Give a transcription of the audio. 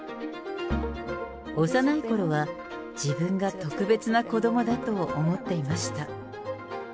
幼いころは、自分が特別な子どもだと思っていました。